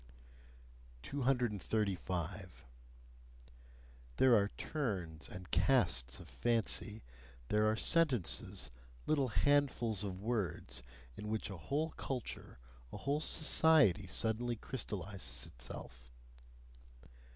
235. There are turns and casts of fancy, there are sentences, little handfuls of words, in which a whole culture, a whole society suddenly crystallises itself.